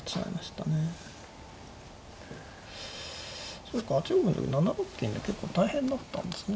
そうか７六金で結構大変だったんですね。